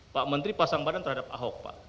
pak menteri pasang badan terhadap ahok pak